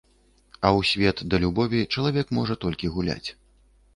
А ў свет да любові чалавек можа толькі гуляць.